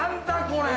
これ！